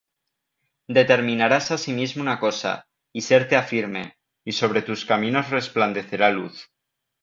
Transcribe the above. Determinarás asimismo una cosa, y serte ha firme; Y sobre tus caminos resplandecerá luz.